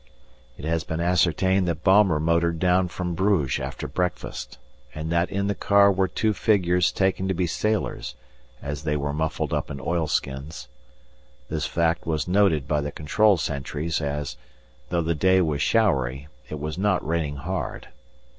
It has been ascertained that Baumer motored down from Bruges after breakfast, and that in the car were two figures taken to be sailors, as they were muffled up in oilskins. This fact was noted by the control sentries, as, though the day was showery, it was not raining hard.